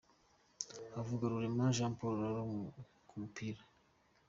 Havugarurema Jean Paul Ralo ku mupira